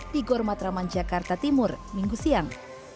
di gor matraman jakarta timur minggu siang